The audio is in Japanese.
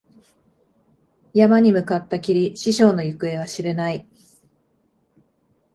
山に向かったきり、師匠の行方は知れない。